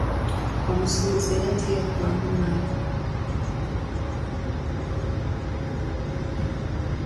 Omusuubuzi era teyaggwaamu maanyi.